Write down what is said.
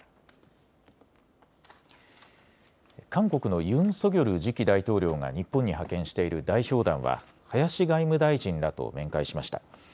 韓国のユン・ソギョル次期大統領が日本に派遣している代表団は林外務大臣らと面会しました。